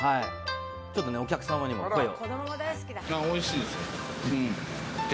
ちょっとね、お客様にも、声を。